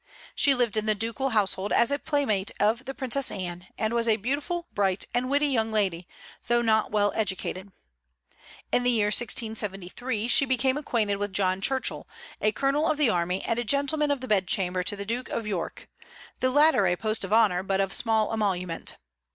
She lived in the ducal household as a playmate of the Princess Anne, and was a beautiful, bright, and witty young lady, though not well educated. In the year 1673 she became acquainted with John Churchill, a colonel of the army and a gentleman of the bedchamber to the Duke of York, the latter a post of honor, but of small emolument.